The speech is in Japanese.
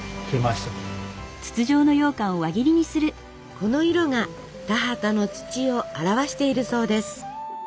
この色が田畑の土を表しているそうです。